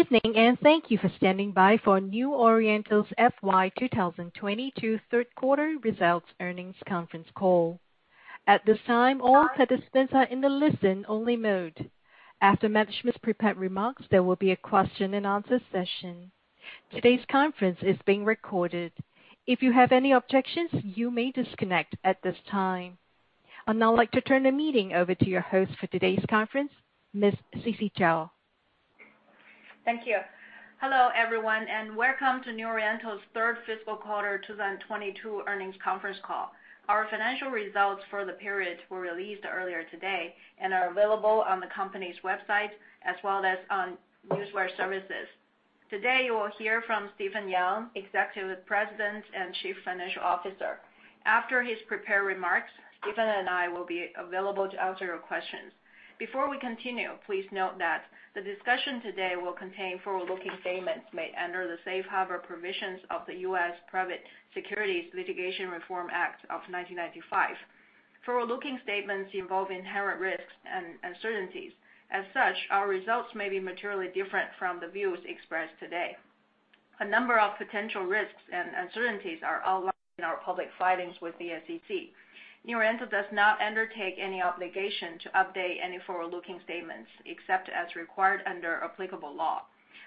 Good evening, and thank you for standing by for New Oriental's FY 2022 third quarter results earnings conference call. At this time, all participants are in the listen-only mode. After management's prepared remarks, there will be a question-and-answer session. Today's conference is being recorded. If you have any objections, you may disconnect at this time. I'd now like to turn the meeting over to your host for today's conference, Ms. Sisi Zhao. Thank you. Hello, everyone, and welcome to New Oriental's third fiscal quarter 2022 earnings conference call. Our financial results for the period were released earlier today and are available on the company's website, as well as on newswire services. Today, you will hear from Stephen Yang, Executive President and Chief Financial Officer. After his prepared remarks, Stephen and I will be available to answer your questions. Before we continue, please note that the discussion today will contain forward-looking statements made under the Safe Harbor Provisions of the U.S. Private Securities Litigation Reform Act of 1995. Forward-looking statements involve inherent risks and uncertainties. As such, our results may be materially different from the views expressed today. A number of potential risks and uncertainties are outlined in our public filings with the SEC. New Oriental does not undertake any obligation to update any forward-looking statements except as required under applicable law.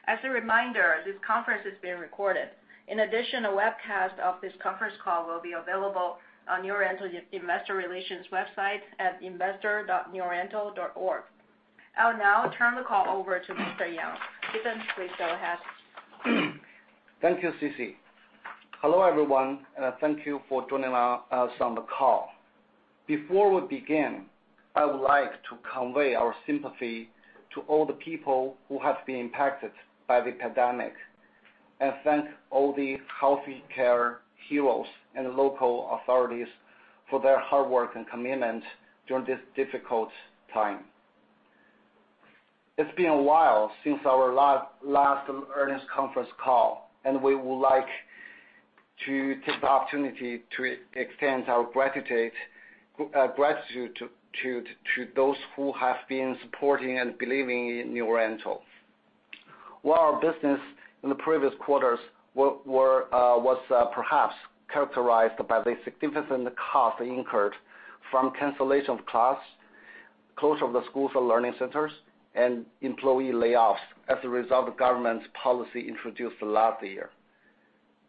As a reminder, this conference is being recorded. In addition, a webcast of this conference call will be available on New Oriental's Investor Relations website at investor.neworiental.org. I'll now turn the call over to Mr. Yang. Stephen, please go ahead. Thank you, Sisi. Hello, everyone, and thank you for joining us on the call. Before we begin, I would like to convey our sympathy to all the people who have been impacted by the pandemic, and thank all the healthcare heroes and local authorities for their hard work and commitment during this difficult time. It's been a while since our last earnings conference call, and we would like to take the opportunity to extend our gratitude to those who have been supporting and believing in New Oriental. While our business in the previous quarters was perhaps characterized by the significant cost incurred from cancellation of class, closure of the schools or learning centers, and employee layoffs as a result of government policy introduced last year.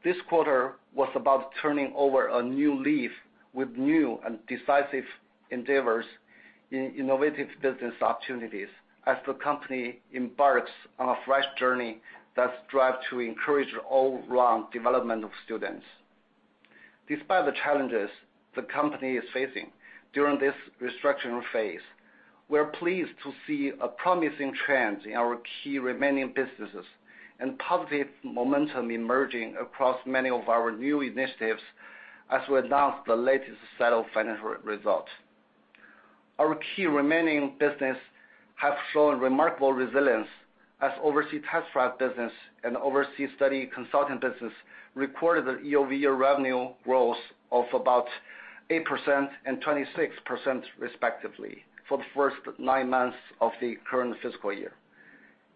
This quarter was about turning over a new leaf with new and decisive endeavors in innovative business opportunities as the company embarks on a fresh journey that strives to encourage all-round development of students. Despite the challenges the company is facing during this restructuring phase, we're pleased to see a promising trend in our key remaining businesses and positive momentum emerging across many of our new initiatives as we announce the latest set of financial results. Our key remaining businesses have shown remarkable resilience as overseas test prep business and overseas study consulting business recorded a year-over-year revenue growth of about 8% and 26% respectively for the first nine months of the current fiscal year.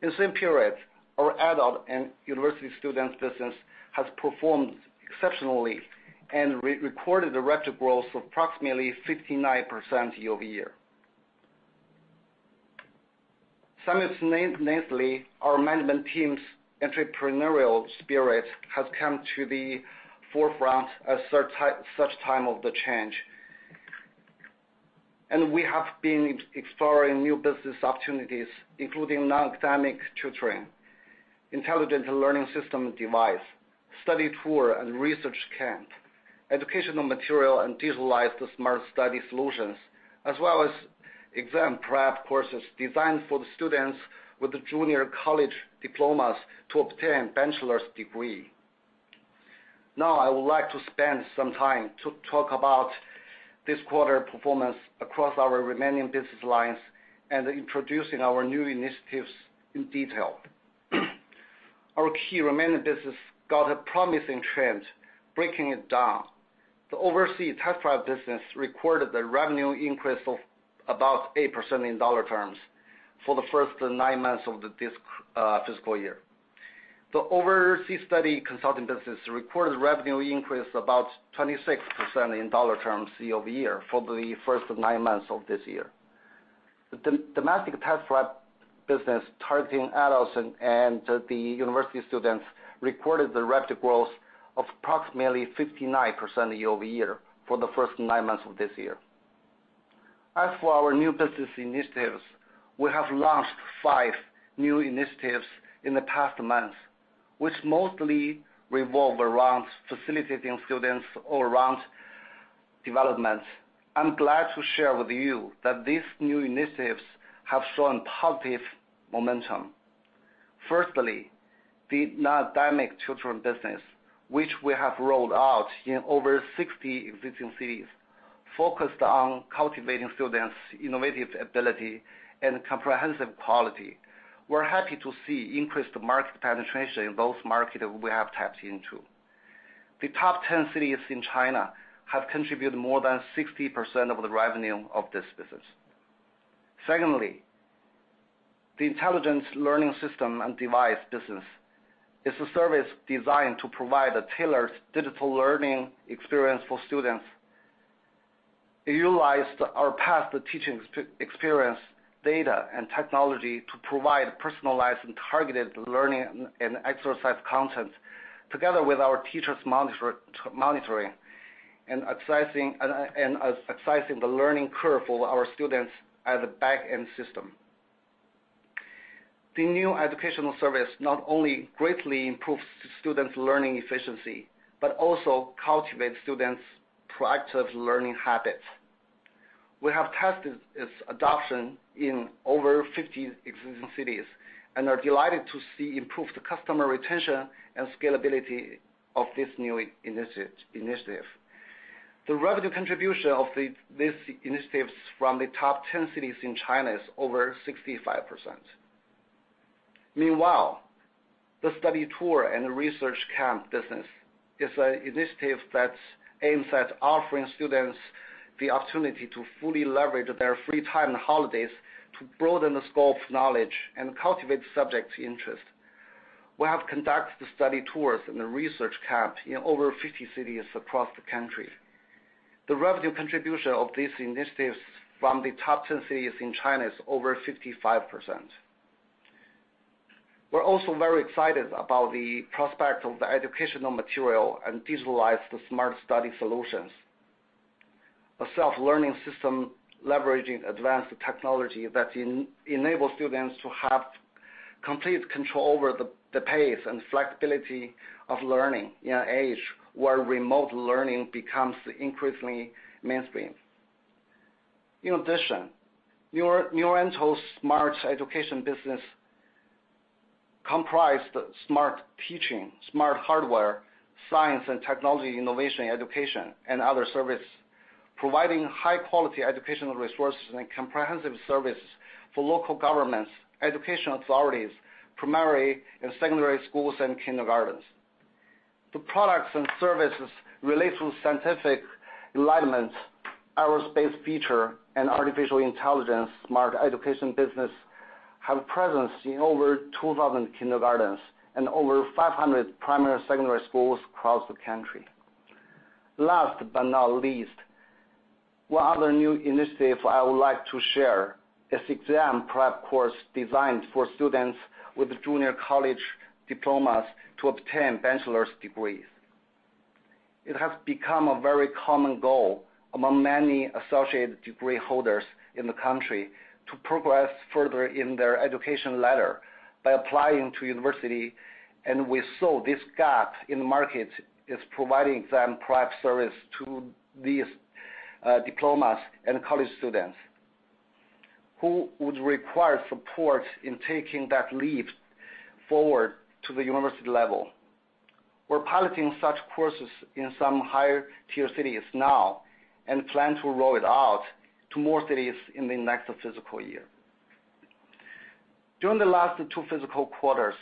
In the same period, our adults and university students business has performed exceptionally and recorded a rapid growth of approximately 59% year-over-year. Simultaneously, our management team's entrepreneurial spirit has come to the forefront at such time of the change. We have been exploring new business opportunities, including non-academic tutoring, intelligent learning system and device, study tour and research camp, educational materials and digitalized smart study solutions, as well as exam prep courses designed for the students with junior college diplomas to obtain bachelor's degree. Now, I would like to spend some time to talk about this quarter performance across our remaining business lines and introducing our new initiatives in detail. Our key remaining business got a promising trend, breaking it down. The overseas test prep business recorded a revenue increase of about 8% in dollar terms for the first nine months of this fiscal year. The overseas study consulting business recorded revenue increase about 26% in dollar terms year-over-year for the first nine months of this year. The domestic test prep business targeting adults and the university students recorded a rapid growth of approximately 59% year-over-year for the first nine months of this year. As for our new business initiatives, we have launched five new initiatives in the past months, which mostly revolve around facilitating students or around developments. I'm glad to share with you that these new initiatives have shown positive momentum. Firstly, the non-academic tutoring business, which we have rolled out in over 60 existing cities, focused on cultivating students' innovative ability and comprehensive quality. We're happy to see increased market penetration in those markets we have tapped into. The top 10 cities in China have contributed more than 60% of the revenue of this business. Secondly, the intelligent learning system and device business is a service designed to provide a tailored digital learning experience for students. It utilized our past teaching experience, data, and technology to provide personalized and targeted learning and exercise content together with our teachers monitoring and exercising the learning curve for our students at the back-end system. The new educational service not only greatly improves students' learning efficiency, but also cultivates students' proactive learning habits. We have tested its adoption in over 50 existing cities and are delighted to see improved customer retention and scalability of this new initiative. The revenue contribution of these initiatives from the top 10 cities in China is over 65%. Meanwhile, the Study Tour and Research Camp business is an initiative that aims at offering students the opportunity to fully leverage their free time and holidays to broaden the scope of knowledge and cultivate subject interest. We have conducted study tours and the research camp in over 50 cities across the country. The revenue contribution of these initiatives from the top 10 cities in China is over 55%. We're also very excited about the prospect of the educational materials and digitalized smart study solutions. A self-learning system leveraging advanced technology that enables students to have complete control over the pace and flexibility of learning in an age where remote learning becomes increasingly mainstream. In addition, New Oriental's smart education business comprises the smart teaching, smart hardware, science and technology, innovation, education, and other services, providing high-quality educational resources and comprehensive services for local governments, education authorities, primary and secondary schools, and kindergartens. The products and services related to scientific enlightenment, aerospace feature, and artificial intelligence smart education business have a presence in over 2,000 kindergartens and over 500 primary, secondary schools across the country. Last but not least, one other new initiative I would like to share is exam prep course designed for students with junior college diplomas to obtain bachelor's degrees. It has become a very common goal among many associate degree holders in the country to progress further in their education ladder by applying to university, and we saw this gap in the market in providing exam prep service to these, diplomas and college students who would require support in taking that leap forward to the university level. We're piloting such courses in some higher-tier cities now and plan to roll it out to more cities in the next fiscal year. During the last two fiscal quarters,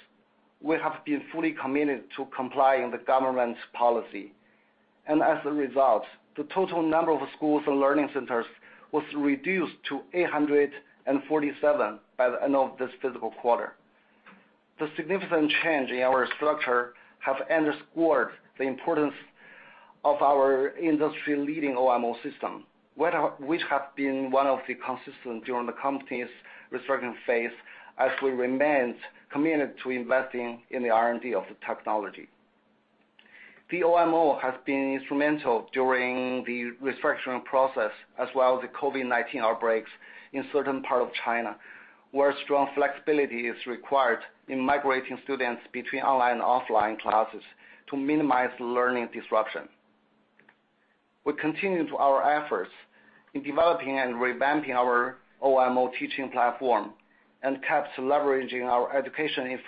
we have been fully committed to complying with the government's policy, and as a result, the total number of schools and learning centers was reduced to 847 by the end of this fiscal quarter. The significant change in our structure has underscored the importance of our industry-leading OMO system, which has been one of the constants during the company's restructuring phase as we remained committed to investing in the R&D of the technology. The OMO has been instrumental during the restructuring process, as well as the COVID-19 outbreaks in certain parts of China, where strong flexibility is required in migrating students between online and offline classes to minimize learning disruption. We continue our efforts in developing and revamping our OMO teaching platform, and keep leveraging our education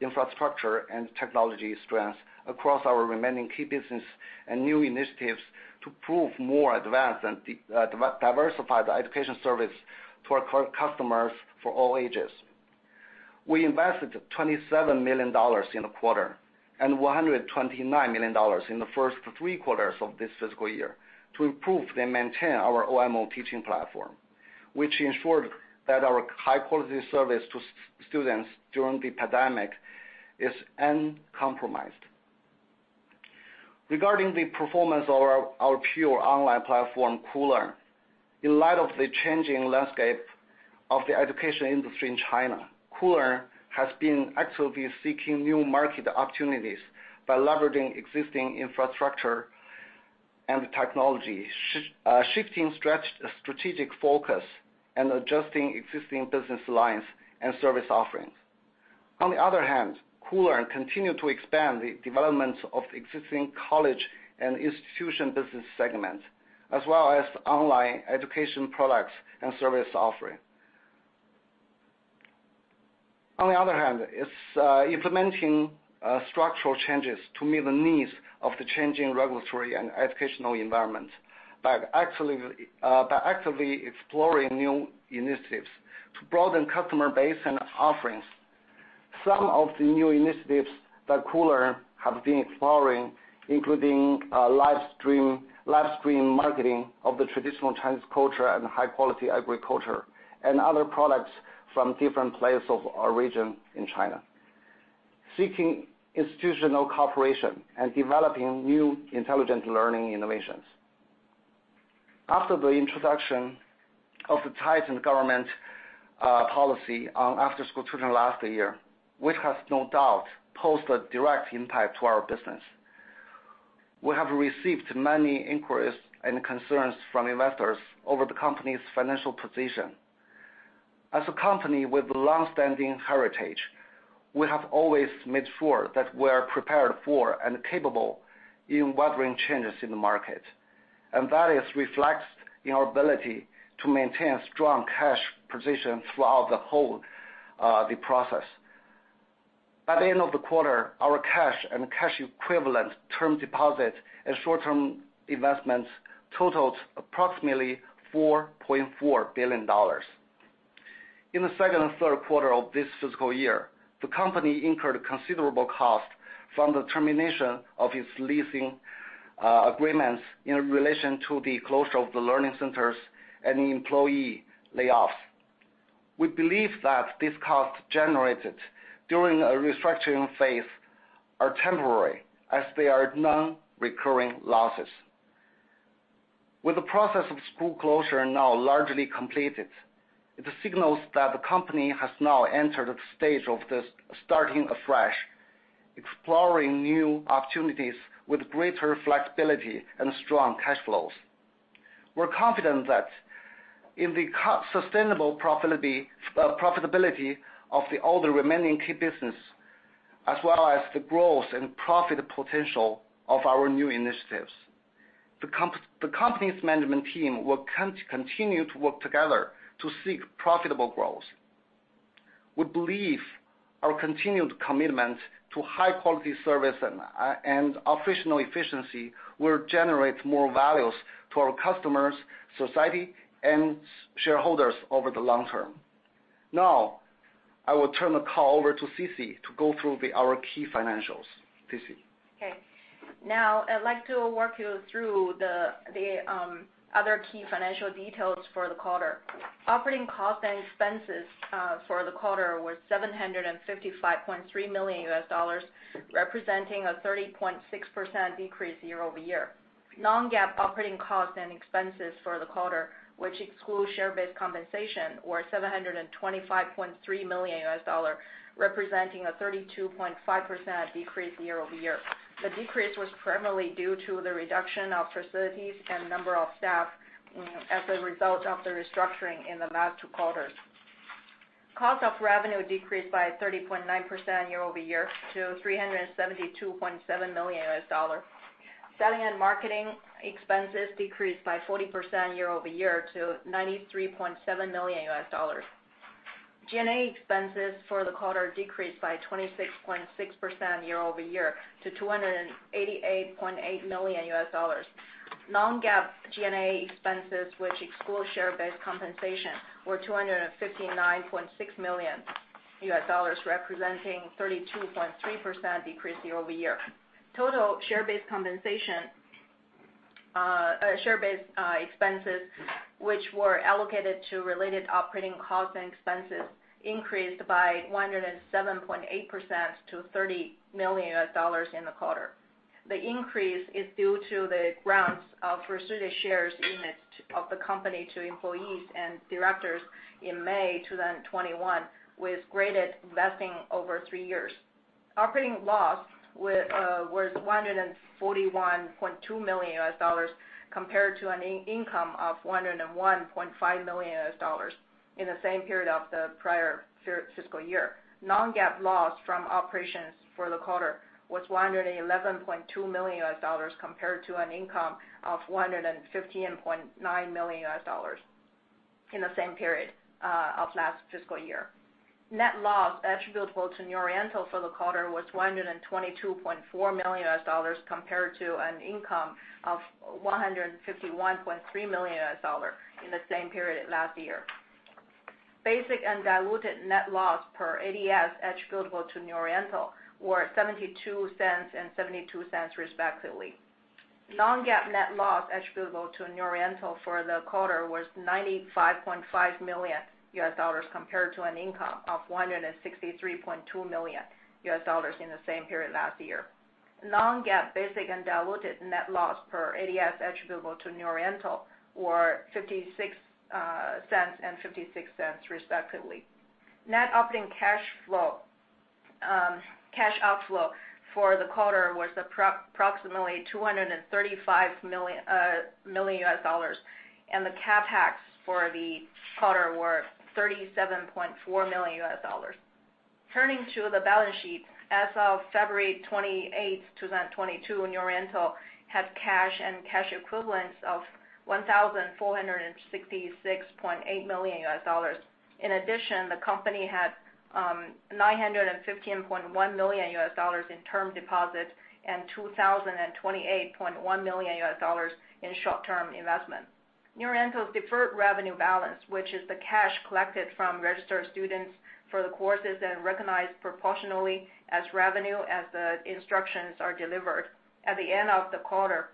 infrastructure and technology strengths across our remaining key businesses and new initiatives to provide more advanced and diversified education services to our customers for all ages. We invested $27 million in the quarter and $129 million in the first three quarters of this fiscal year to improve and maintain our OMO teaching platform, which ensured that our high-quality service to students during the pandemic is uncompromised. Regarding the performance of our pure online platform, Koolearn, in light of the changing landscape of the education industry in China, Koolearn has been actively seeking new market opportunities by leveraging existing infrastructure and technology, shifting strategic focus, and adjusting existing business lines and service offerings. Koolearn continued to expand the development of existing college and institution business segments, as well as online education products and service offerings. On the other hand, it's implementing structural changes to meet the needs of the changing regulatory and educational environment by actively exploring new initiatives to broaden customer base and offerings. Some of the new initiatives that Koolearn have been exploring, including live stream marketing of the traditional Chinese culture and high-quality agriculture, and other products from different places of our region in China. Seeking institutional cooperation and developing new intelligent learning innovations. After the introduction of the tightened government policy on after-school tutoring last year, which has no doubt posed a direct impact to our business, we have received many inquiries and concerns from investors over the company's financial position. As a company with longstanding heritage, we have always made sure that we're prepared for and capable in weathering changes in the market, and that is reflected in our ability to maintain strong cash position throughout the whole process. By the end of the quarter, our cash and cash equivalents, term deposits, and short-term investments totaled approximately $4.4 billion. In the second and third quarter of this fiscal year, the company incurred considerable costs from the termination of its leasing agreements in relation to the closure of the learning centers and employee layoffs. We believe that these costs generated during a restructuring phase are temporary, as they are non-recurring losses. With the process of school closure now largely completed, it signals that the company has now entered a stage of this starting afresh, exploring new opportunities with greater flexibility and strong cash flows. We're confident that in sustainable profitability of all the remaining key business, as well as the growth and profit potential of our new initiatives. The company's management team will continue to work together to seek profitable growth. We believe our continued commitment to high-quality service and operational efficiency will generate more values to our customers, society, and shareholders over the long term. Now, I will turn the call over to Sisi to go through our key financials. Sisi. Okay. Now, I'd like to walk you through the other key financial details for the quarter. Operating costs and expenses for the quarter were $755.3 million, representing a 30.6% decrease year-over-year. Non-GAAP operating costs and expenses for the quarter, which excludes share-based compensation, were $725.3 million, representing a 32.5% decrease year-over-year. The decrease was primarily due to the reduction of facilities and number of staff as a result of the restructuring in the last two quarters. Cost of revenue decreased by 30.9% year-over-year to $372.7 million. Selling and marketing expenses decreased by 40% year-over-year to $93.7 million. G&A expenses for the quarter decreased by 26.6% year-over-year to $288.8 million. Non-GAAP G&A expenses, which excludes share-based compensation, were $259.6 million, representing 32.3% decrease year-over-year. Total share-based compensation expenses which were allocated to related operating costs and expenses increased by 107.8% to $30 million in the quarter. The increase is due to the grants of restricted shares of the company to employees and directors in May 2021, with graded vesting over three years. Operating loss was $141.2 million compared to an income of $101.5 million in the same period of the prior fiscal year. Non-GAAP loss from operations for the quarter was $111.2 million compared to an income of $115.9 million in the same period of last fiscal year. Net loss attributable to New Oriental for the quarter was $122.4 million compared to an income of $151.3 million in the same period last year. Basic and diluted net loss per ADS attributable to New Oriental were $0.72 and $0.72, respectively. Non-GAAP net loss attributable to New Oriental for the quarter was $95.5 million compared to an income of $163.2 million in the same period last year. Non-GAAP basic and diluted net loss per ADS attributable to New Oriental were $0.56 and $0.56, respectively. Net operating cash flow, cash outflow for the quarter was approximately $235 million, and the CapEx for the quarter were $37.4 million. Turning to the balance sheet, as of February 28th, 2022, New Oriental had cash and cash equivalents of $1,466.8 million. In addition, the company had $915.1 million in term deposits and $2,028.1 million in short-term investments. New Oriental's deferred revenue balance, which is the cash collected from registered students for the courses and recognized proportionally as revenue as the instructions are delivered at the end of the quarter,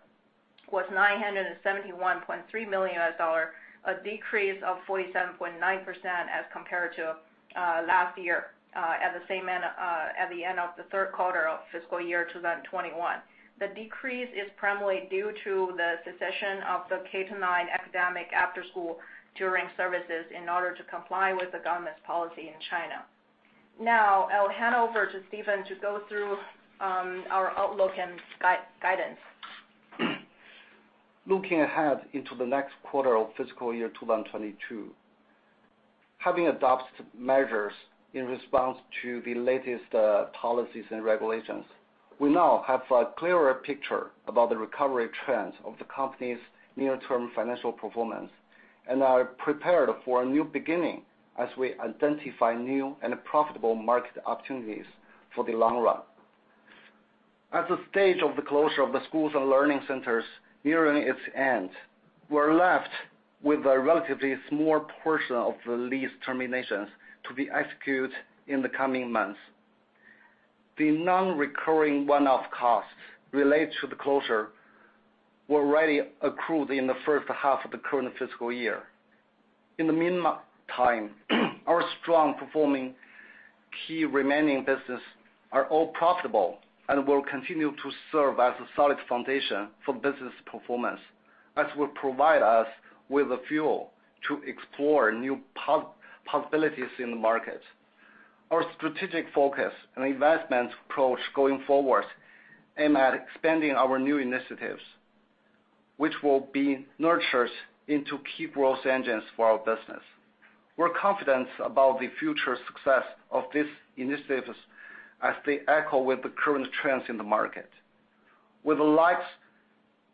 was $971.3 million, a decrease of 47.9% as compared to last year at the end of the third quarter of fiscal year 2021. The decrease is primarily due to the cessation of the K-9 academic after-school tutoring services in order to comply with the government's policy in China. Now, I'll hand over to Stephen to go through our outlook and guidance. Looking ahead into the next quarter of fiscal year 2022, having adopted measures in response to the latest policies and regulations, we now have a clearer picture about the recovery trends of the company's near-term financial performance, and are prepared for a new beginning as we identify new and profitable market opportunities for the long run. As the stage of the closure of the schools and learning centers nearing its end, we're left with a relatively small portion of the lease terminations to be executed in the coming months. The non-recurring one-off costs related to the closure were already accrued in the first half of the current fiscal year. In the meantime, our strong performing key remaining business are all profitable and will continue to serve as a solid foundation for business performance, as will provide us with the fuel to explore new possibilities in the market. Our strategic focus and investment approach going forward aim at expanding our new initiatives, which will be nurtured into key growth engines for our business. We're confident about the future success of these initiatives as they echo with the current trends in the market. With the likes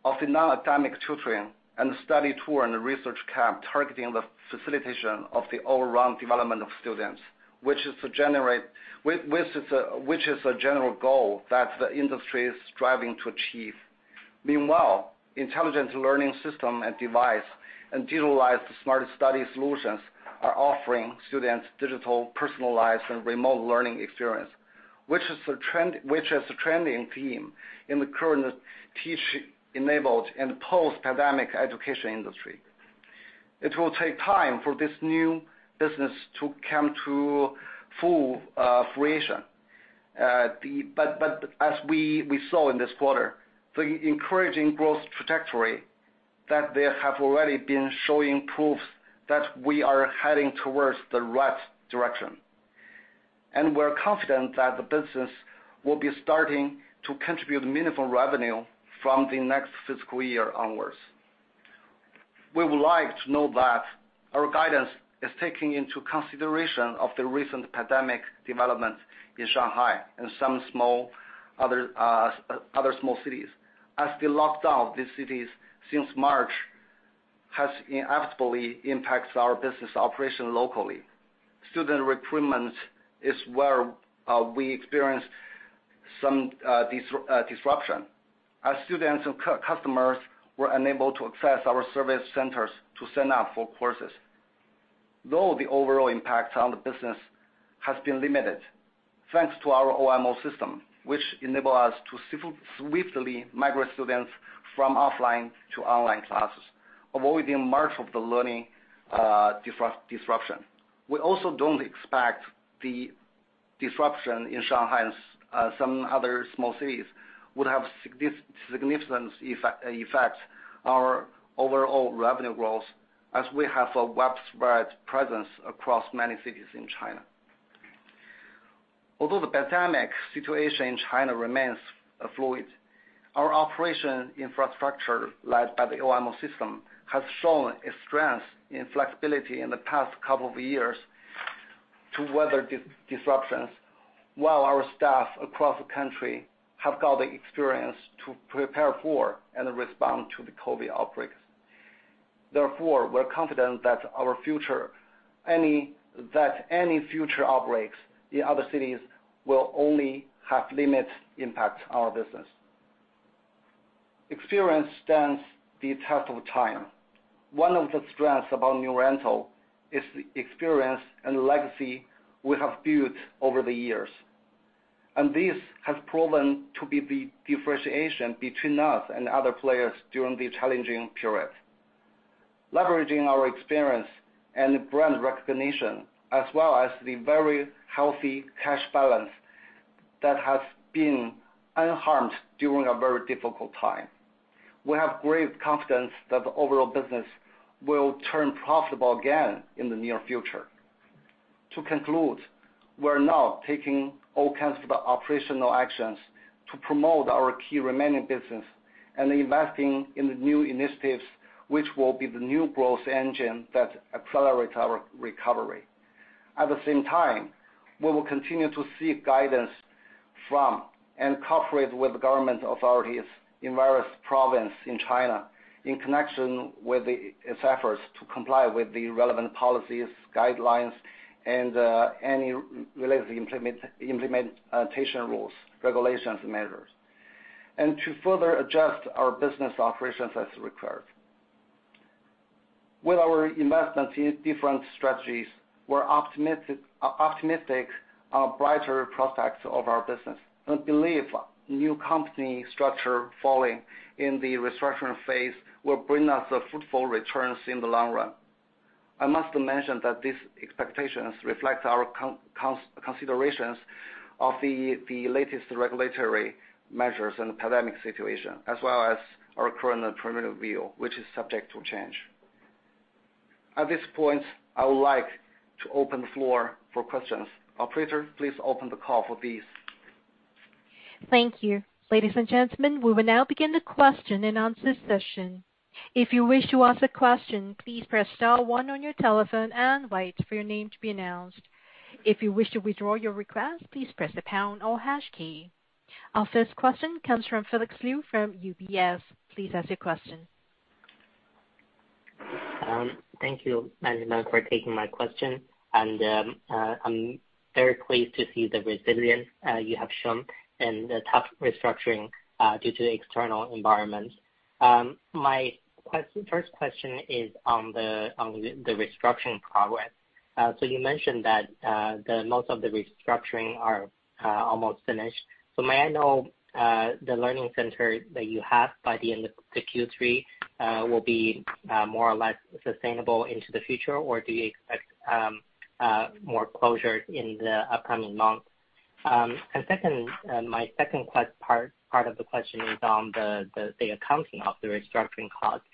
of the non-academic tutoring and study tour and research camp targeting the facilitation of the all-round development of students, which is a general goal that the industry is striving to achieve. Meanwhile, intelligent learning system and device, and digitalized smart study solutions are offering students digital, personalized, and remote learning experience, which is a trending theme in the current tech-enabled and post-pandemic education industry. It will take time for this new business to come to full fruition. As we saw in this quarter, the encouraging growth trajectory that they have already been showing proves that we are heading towards the right direction. We're confident that the business will be starting to contribute meaningful revenue from the next fiscal year onwards. We would like to note that our guidance is taking into consideration the recent pandemic development in Shanghai and some other small cities. As they locked down these cities since March, it has inevitably impacted our business operation locally. Student recruitment is where we experienced some disruption, as students and customers were unable to access our service centers to sign up for courses. Though the overall impact on the business has been limited, thanks to our OMO system, which enable us to swiftly migrate students from offline to online classes, avoiding much of the learning disruption. We also don't expect the disruption in Shanghai and some other small cities would have significant effect our overall revenue growth, as we have a widespread presence across many cities in China. Although the pandemic situation in China remains fluid, our operation infrastructure, led by the OMO system, has shown its strength in flexibility in the past couple of years to weather disruptions, while our staff across the country have got the experience to prepare for and respond to the COVID-19 outbreaks. Therefore, we're confident that any future outbreaks in other cities will only have limited impact on our business. Experience stands the test of time. One of the strengths about New Oriental is the experience and legacy we have built over the years, and this has proven to be the differentiation between us and other players during the challenging period, leveraging our experience and brand recognition, as well as the very healthy cash balance that has been unharmed during a very difficult time. We have great confidence that the overall business will turn profitable again in the near future. To conclude, we're now taking all kinds of operational actions to promote our key remaining business and investing in the new initiatives, which will be the new growth engine that accelerate our recovery. At the same time, we will continue to seek guidance from and cooperate with government authorities in various province in China in connection with its efforts to comply with the relevant policies, guidelines, and any related implementation rules, regulations, and measures. To further adjust our business operations as required. With our investments in different strategies, we're optimistic on brighter prospects of our business and believe new company structure falling in the restructuring phase will bring us fruitful returns in the long run. I must mention that these expectations reflect our considerations of the latest regulatory measures and the pandemic situation, as well as our current preliminary view, which is subject to change. At this point, I would like to open the floor for questions. Operator, please open the call for these. Thank you. Ladies and gentlemen, we will now begin the question and answer session. If you wish to ask a question, please press star one on your telephone and wait for your name to be announced. If you wish to withdraw your request, please press the pound or hash key. Our first question comes from Felix Liu from UBS. Please ask your question. Thank you management for taking my question, and I'm very pleased to see the resilience you have shown in the tough restructuring due to the external environment. First question is on the restructuring progress. So you mentioned that the most of the restructuring are almost finished. May I know the learning center that you have by the end of the Q3 will be more or less sustainable into the future? Or do you expect more closure in the upcoming months? Second, my second part of the question is on the accounting of the restructuring costs.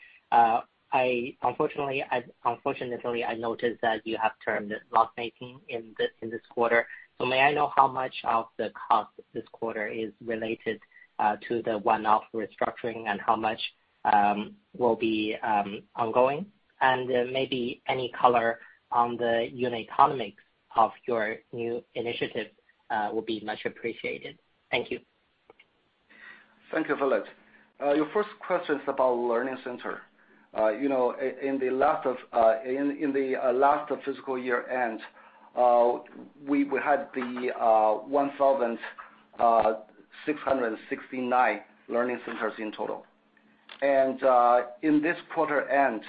Unfortunately, I noticed that you have turned loss-making in this quarter. May I know how much of the cost this quarter is related to the one-off restructuring and how much will be ongoing? Maybe any color on the unit economics of your new initiative will be much appreciated. Thank you. Thank you, Felix. Your first question is about learning center. You know, in the last fiscal year end, we had the 1,669 learning centers in total. In this quarter end,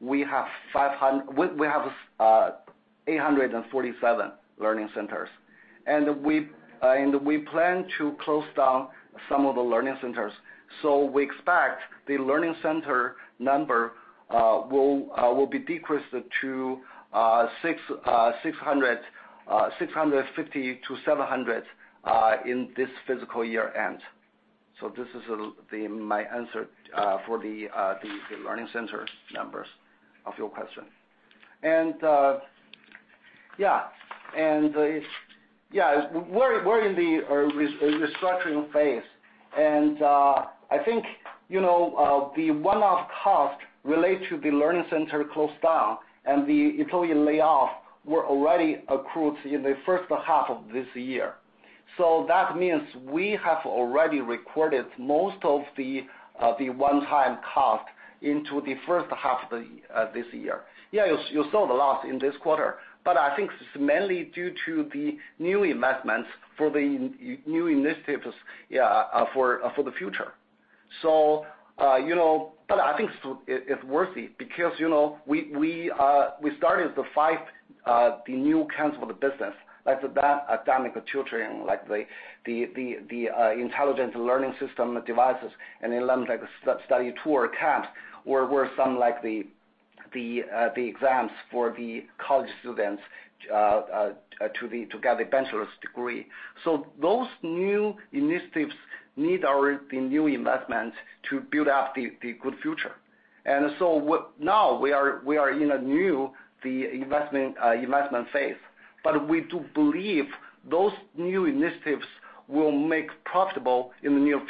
we have 847 learning centers. We plan to close down some of the learning centers. We expect the learning center number will be decreased to 650-700 in this fiscal year end. This is my answer for the learning center numbers of your question. Yeah, we're in the restructuring phase. I think, you know, the one-off cost related to the learning center closed down and the employee layoff were already accrued in the first half of this year. That means we have already recorded most of the one-time cost into the first half of this year. Yeah, you saw the loss in this quarter, but I think it's mainly due to the new investments for the new initiatives, yeah, for the future. You know, but I think it's worth it because, you know, we started five new kinds of business, like non-academic tutoring, the intelligent learning system and device and then like study tour and research camp, overseas test prep for the college students to get a bachelor's degree. Those new initiatives need new investment to build up the good future. Now we are in a new investment phase. We do believe those new initiatives will make profit in near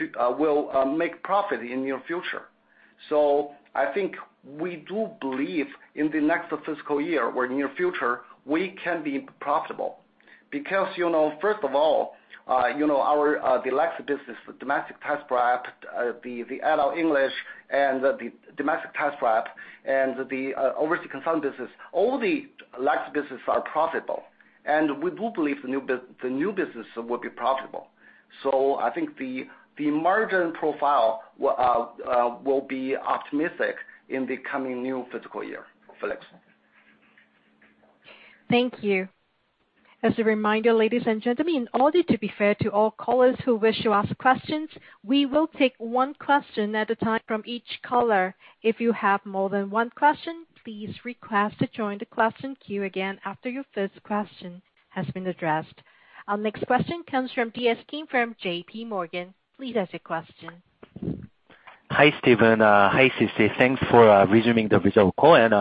future. I think we do believe in the next fiscal year or near future, we can be profitable. Because, you know, first of all, you know, our the Deluxe business, the domestic test prep, the adult English, the domestic test prep and the overseas concern business, all the Lux business are profitable. We do believe the new business will be profitable. I think the margin profile will be optimistic in the coming new fiscal year, Felix. Thank you. As a reminder, ladies and gentlemen, in order to be fair to all callers who wish to ask questions, we will take one question at a time from each caller. If you have more than one question, please request to join the question queue again after your first question has been addressed. Our next question comes from DS Kim from JPMorgan. Please ask your question. Hi, Stephen. Hi, Sisi. Thanks for resuming the visual call, and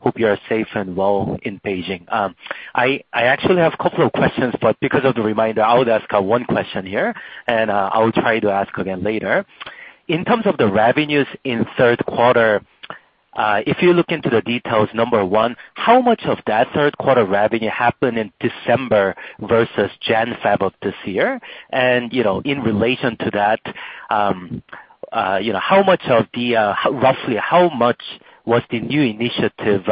hope you are safe and well in Beijing. I actually have a couple of questions, but because of the reminder, I would ask one question here, and I will try to ask again later. In terms of the revenues in third quarter, if you look into the details, number one, how much of that third quarter revenue happened in December versus January-February this year? You know, in relation to that, you know, how much of the, roughly how much was the new initiative,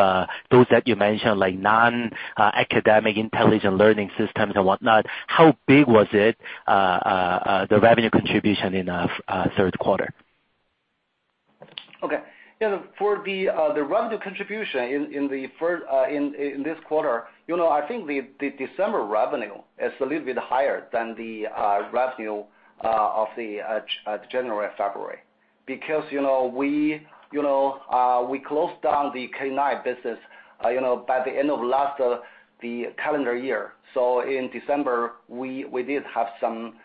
those that you mentioned, like non-academic intelligent learning systems and whatnot, how big was it, the revenue contribution in third quarter? Okay. Yeah, for the revenue contribution in the first quarter, you know, I think the December revenue is a little bit higher than the revenue of January and February because, you know, we closed down the K-9 business, you know, by the end of last calendar year. In December, we did have some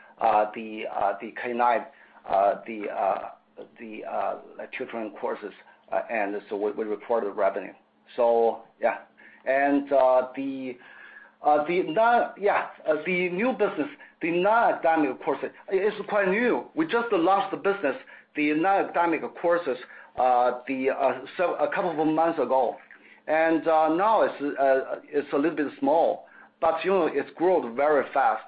K-9 children courses, and we reported revenue. Yeah. The new business, the non-academic course, it is quite new. We just launched the business, the non-academic courses a couple of months ago. Now it's a little bit small, but, you know, it's grown very fast.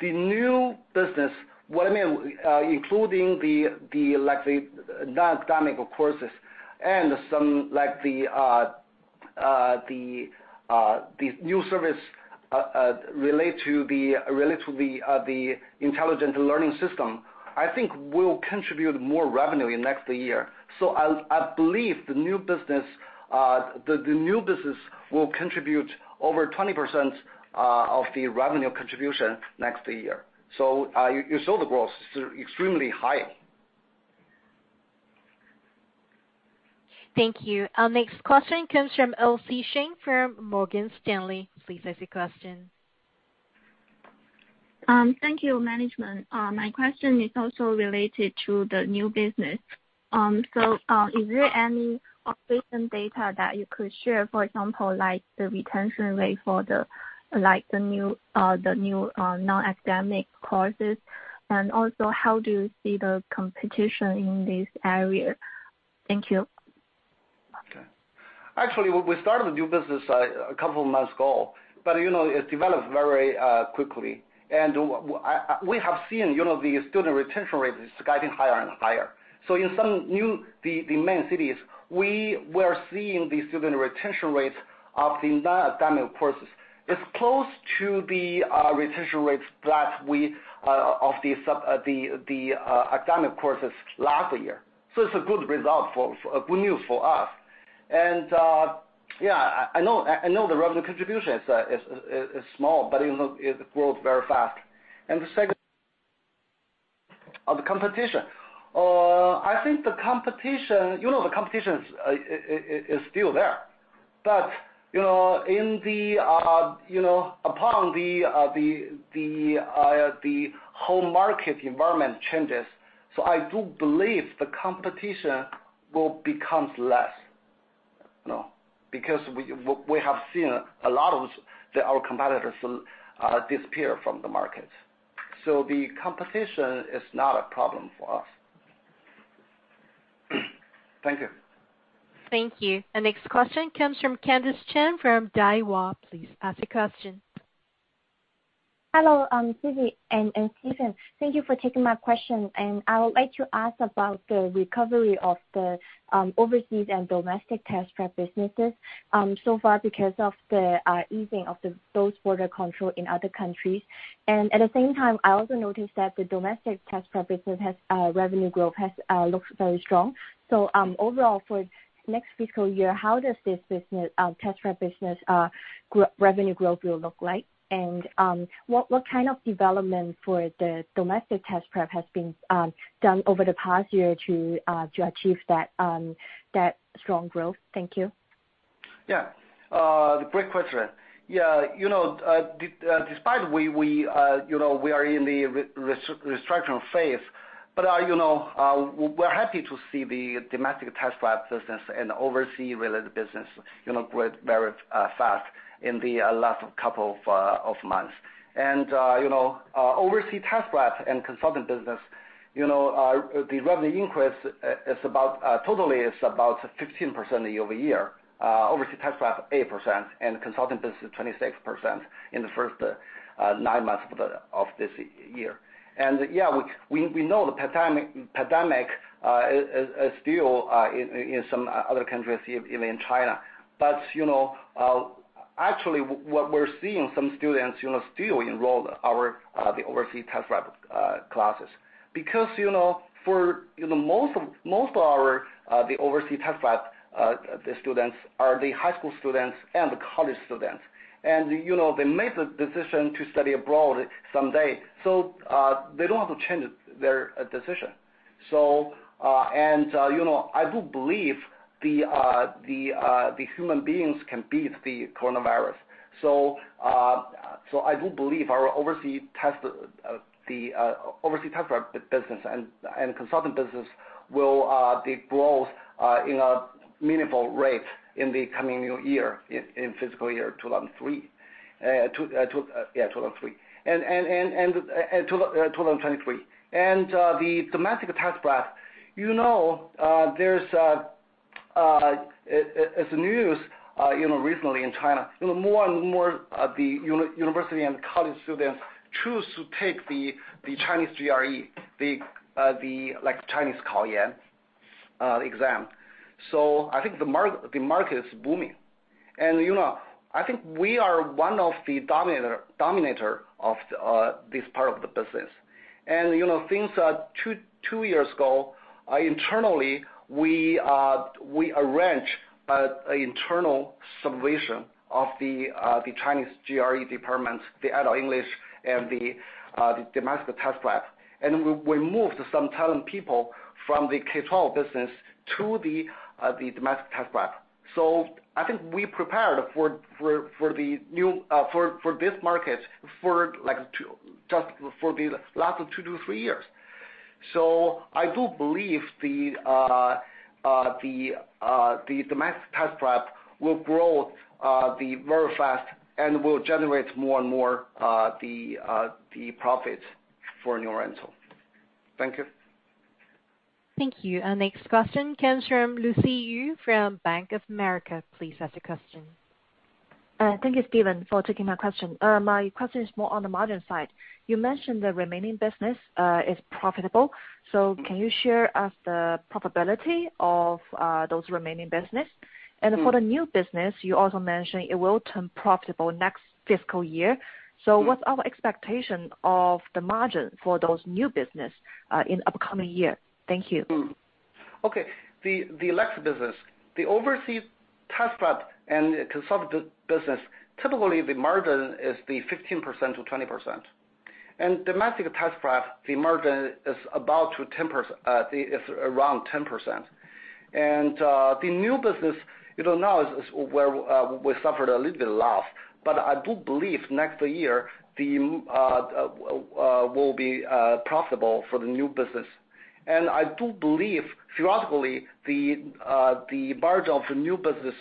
The new business, what I mean, including, like, the non-academic courses and some like the new service relate to the intelligent learning system, I think will contribute more revenue in next year. I believe the new business will contribute over 20% of the revenue contribution next year. You saw the growth is extremely high. Thank you. Our next question comes from Elsie Sheng from Morgan Stanley. Please ask your question. Thank you, management. My question is also related to the new business. Is there any operational data that you could share, for example, like the retention rate for the, like the new non-academic courses? And also, how do you see the competition in this area? Thank you. Okay. Actually, we started the new business a couple months ago, but you know it's developed very quickly. We have seen you know the student retention rate is getting higher and higher. In some of the main cities we were seeing the student retention rates of the non-academic courses. It's close to the retention rates of the academic courses last year. It's a good result, good news for us. Yeah I know the revenue contribution is small, but you know it grows very fast. The second the competition. I think the competition you know is still there. You know, in the you know upon the whole market environment changes, so I do believe the competition will becomes less, you know. Because we have seen a lot of our competitors disappear from the market. The competition is not a problem for us. Thank you. Thank you. Our next question comes from Candis Chan from Daiwa. Please ask your question. Hello, Sisi and Stephen. Thank you for taking my question. I would like to ask about the recovery of the overseas and domestic test prep businesses so far because of the easing of those border controls in other countries. At the same time, I also noticed that the domestic test prep business has revenue growth looks very strong. Overall, for next fiscal year, how does this business test prep business revenue growth will look like? What kind of development for the domestic test prep has been done over the past year to achieve that strong growth? Thank you. Yeah. Great question. Yeah. You know, despite we are in the restriction phase, but you know, we're happy to see the domestic test prep business and overseas related business, you know, grow very fast in the last couple of months. You know, overseas test prep and consultant business, you know, the revenue increase is about 15% year-over-year. Overseas test prep, 8%, and consultant business, 26% in the first nine months of this year. Yeah, we know the pandemic is still in some other countries, even in China. But you know, actually, what we're seeing some students, you know, still enroll in our the overseas test prep classes. Because, you know, for most of our overseas test prep, the students are the high school students and college students. You know, they made the decision to study abroad someday, so they don't want to change their decision. I do believe the human beings can beat the coronavirus. I do believe our overseas test prep business and consultant business will grow in a meaningful rate in the coming new year, in fiscal year 2023. The domestic test prep, you know, there's news recently in China. You know, more and more of the university and college students choose to take the Chinese GRE, the Chinese Gaokao exam. I think the market is booming. You know, I think we are one of the dominant of this part of the business. You know, things are two years ago, internally, we arranged an internal subdivision of the Chinese GRE departments, the adult English and the domestic test prep. We moved some talented people from the K-12 business to the domestic test prep. I think we prepared for this market for like two just for the last two to three years. I do believe the domestic test prep will grow very fast and will generate more and more profits for New Oriental. Thank you. Thank you. Our next question comes from Lucy Yu from Bank of America. Please ask your question. Thank you, Stephen, for taking my question. My question is more on the margin side. You mentioned the remaining business is profitable, so can you share with us the profitability of those remaining business? For the new business, you also mentioned it will turn profitable next fiscal year. What's our expectation of the margin for those new business in upcoming year? Thank you. Okay. The Deluxe business, the overseas test prep and consultant business, typically the margin is 15%-20%. Domestic test prep, the margin is around 10%. The new business, you know, now is where we suffered a little bit loss. I do believe next year will be profitable for the new business. I do believe theoretically the margin of the new business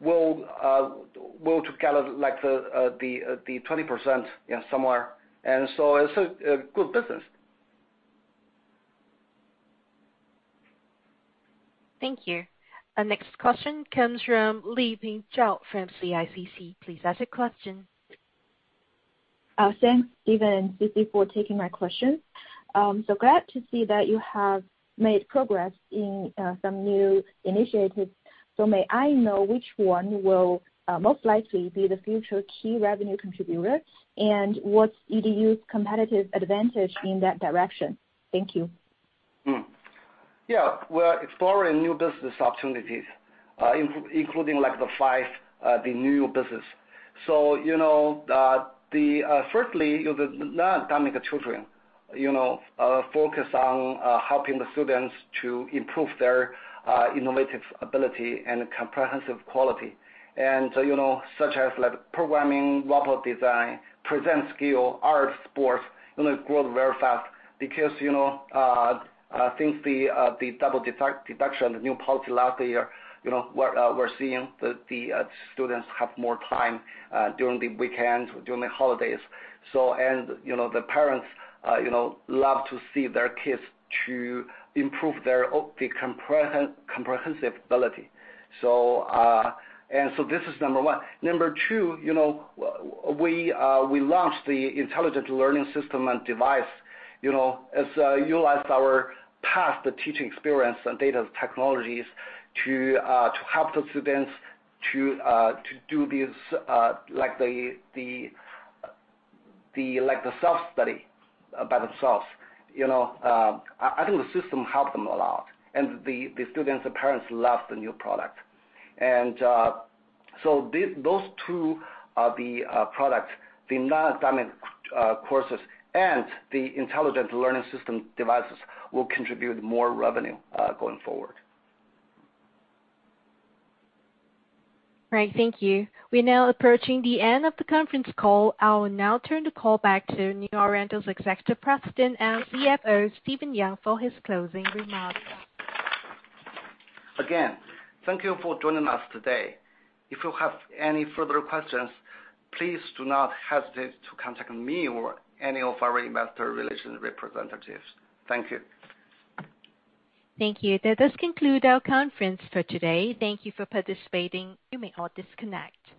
will together like the 20%, yeah, somewhere. It's a good business. Thank you. Our next question comes from Libin Zhao from CICC. Please ask your question. Thanks, Stephen and Sisi, for taking my question. Glad to see that you have made progress in some new initiatives. May I know which one will most likely be the future key revenue contributor, and what's EDU's competitive advantage in that direction? Thank you. Yeah, we're exploring new business opportunities, including like the five, the new business. Firstly, the non-academic children focus on helping the students to improve their innovative ability and comprehensive quality, such as like programming, robot design, presentation skill, art, sports grow very fast because since the Double Reduction, the new policy last year, we're seeing the students have more time during the weekend, during the holidays. The parents love to see their kids to improve their comprehensive ability. This is number one. Number two, you know, we launched the intelligent learning system and device, you know, as utilize our past teaching experience and data technologies to help the students to do this like the self-study by themselves. You know, I think the system help them a lot and the students and parents love the new product. Those two are the products, the non-academic courses and the intelligent learning system devices will contribute more revenue going forward. Right. Thank you. We're now approaching the end of the conference call. I will now turn the call back to New Oriental's Executive President and CFO, Stephen Yang, for his closing remarks. Again, thank you for joining us today. If you have any further questions, please do not hesitate to contact me or any of our investor relations representatives. Thank you. Thank you. That does conclude our conference for today. Thank you for participating. You may all disconnect.